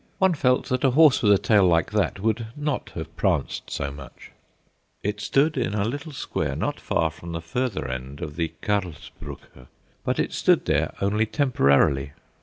One felt that a horse with a tail like that would not have pranced so much. It stood in a small square not far from the further end of the Karlsbrucke, but it stood there only temporarily.